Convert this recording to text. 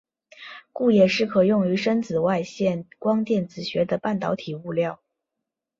故也是可应用于深紫外线光电子学的半导体物料。